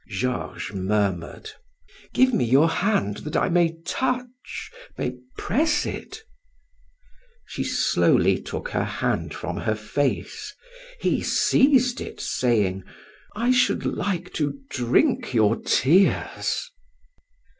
Georges murmured: "Give me your hand that I may touch, may press it." She slowly took her hand from her face, he seized it saying: "I should like to drink your tears!"